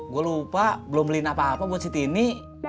gue lupa belum beli apa apa buat si tini